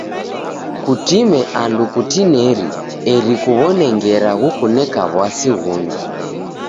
Kutime andu kutineri eri kuw'one ngera ghukuneka w'asi ghungi.